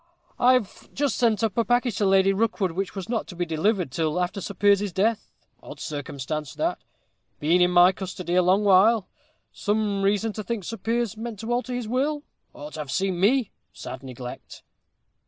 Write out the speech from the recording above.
I've just sent up a package to Lady Rookwood, which was not to be delivered till after Sir Piers's death. Odd circumstance that been in my custody a long while some reason to think Sir Piers meant to alter his will ought to have seen me sad neglect!"